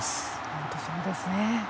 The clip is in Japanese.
本当にそうですね。